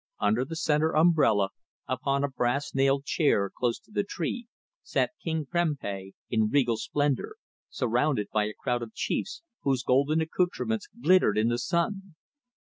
Under the centre umbrella, upon a brass nailed chair close to the tree, sat King Prempeh in regal splendour, surrounded by a crowd of chiefs, whose golden accoutrements glittered in the sun.